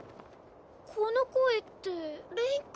この声ってレイ君？